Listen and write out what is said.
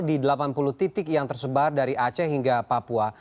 di delapan puluh titik yang tersebar dari aceh hingga papua